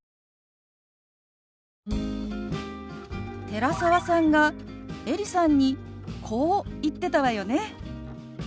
寺澤さんがエリさんにこう言ってたわよね。